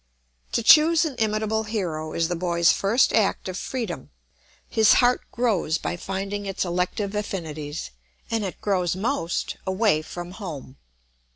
To choose an imitable hero is the boy's first act of freedom; his heart grows by finding its elective affinities, and it grows most away from home.